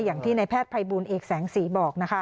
อย่างที่ในแพทย์ภัยบูลเอกแสงสีบอกนะคะ